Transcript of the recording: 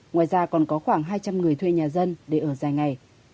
ngoài ra còn có khoảng hai trăm linh người thuê nhà dân để ở dài ngày